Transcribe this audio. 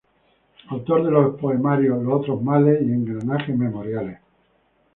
Autor de los poemarios "Los otros males" y "Engranajes memoriales".